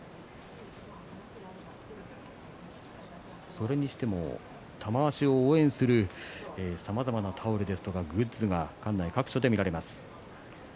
それにしても玉鷲を応援するさまざまなタオルですとかグッズが館内各所で見られます。